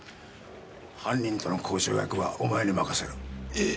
犯人との交渉役はお前に任せる。え！？